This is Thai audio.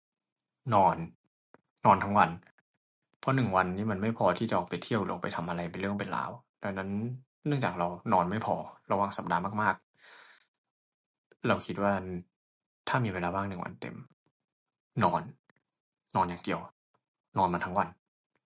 นอน นอนทั้งวัน เพราะหนึ่งวันนี้ไม่พอที่จะออกไปเที่ยวหรือจะออกไปทำอะไรที่เป็นเรื่องเป็นราว ดังนั้นเนื่องจากเราเรานอนไม่พอระหว่างสัปดาห์มากมาก เราคิดว่าถ้ามีเวลาว่างหนึ่งวันเต็ม นอน นอนอย่างเดียว นอนมันทั้งวัน